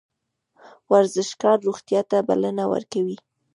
ورزشکار روغتیا ته بلنه ورکوي